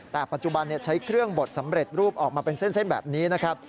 แต่ปัจจุบันใช้เครื่องบดสำเร็จรูปออกมาเป็นเส้นแบบนี้นะครับ